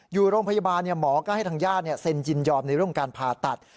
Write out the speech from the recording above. อยู่โรงพยาบาลหมอก็ให้ทางญาติเซ็นยินยอมในเรื่องการผ่าตัด